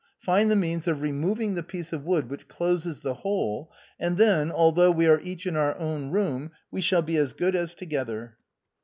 Find the means of removing the piece of wood which closes the hole, and then, although we are each in our own room, we shall be as good as together."